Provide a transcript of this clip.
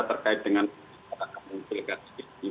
terkait dengan kemimpinan